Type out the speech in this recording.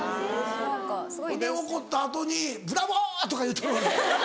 ほんで怒った後に「ブラボー！」とか言うとるわけ？